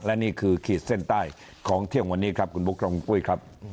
และนี่คือขีดเส้นใต้ของเที่ยงวันนี้ครับคุณปุ๊กคุณปุ๊ก